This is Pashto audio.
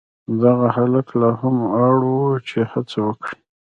دغه هلک لا هم اړ و چې هڅه وکړي.